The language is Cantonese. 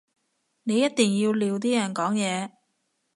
你一定要撩啲人講嘢